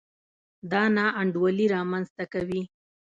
دا نا انډولي رامنځته کوي.